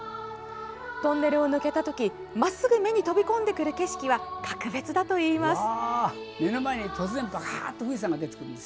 トンネルを抜けた時まっすぐ目に飛び込んでくる景色は、格別だといいます。